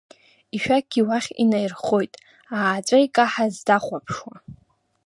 Ишәақьгьы уахь инаирххоит, ааҵәа икаҳаз дахәаԥшуа.